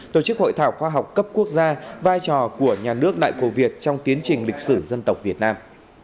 tổ chức hội thảo khoa học cấp quốc gia vai trò của nhà nước đại cổ việt trong tiến trình lịch sử dân tộc việt nam